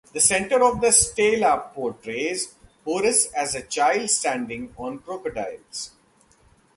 The center of the stela portrays Horus as a child standing on crocodiles.